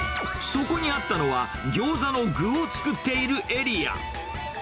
そこにあったのは、ギョーザの具を作っているエリア。